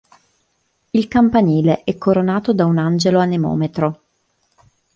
Il campanile è coronato da un angelo anemometro.